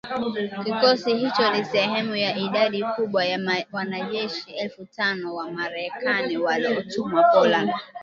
Kikosi hicho ni sehemu ya idadi kubwa ya wanajeshi elfu tano wa Marekani waliotumwa Poland.